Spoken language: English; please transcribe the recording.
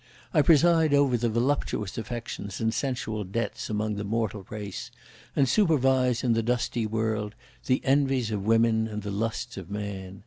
I preside over the voluptuous affections and sensual debts among the mortal race, and supervise in the dusty world, the envies of women and the lusts of man.